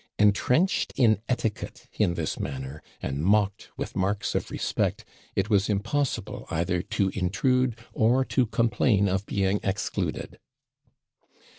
Entrenched in etiquette in this manner, and mocked with marks of respect, it was impossible either to intrude or to complain of being excluded.